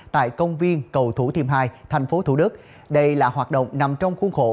tại công viên cầu thủ thiêm hai tp thủ đức đây là hoạt động nằm trong khuôn khổ